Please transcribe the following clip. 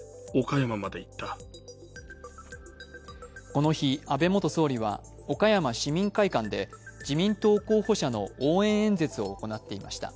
この日、安倍元総理は岡山市民会館で自民党候補者の応援演説を行っていました。